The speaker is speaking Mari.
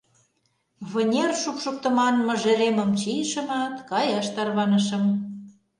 Вынер шупшыктыман мыжеремым чийышымат, каяш тарванышым.